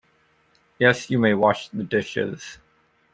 Yes, you may wash the dishes.